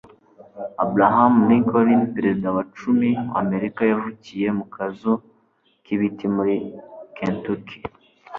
Abraham Lincoln perezida wa cumi wAmerika yavukiye mu kazu kibiti muri Kentucky